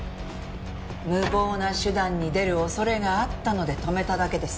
無謀な手段に出る恐れがあったので止めただけです。